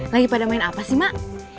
lagi pada main apa sih mak